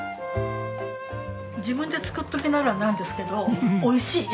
自分で作っておきながらなんですけどおいしい！